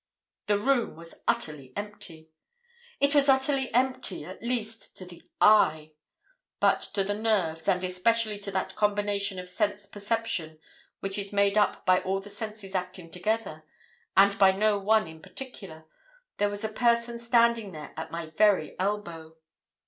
"The room was utterly empty! It was utterly empty, at least, to the eye, but to the nerves, and especially to that combination of sense perception which is made up by all the senses acting together, and by no one in particular, there was a person standing there at my very elbow.